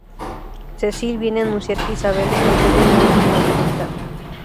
Cecil viene a anunciar que Isabel le concede una última voluntad.